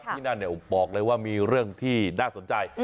ที่นั่นบอกเลยว่ามีเรื่องที่น่าสนใจ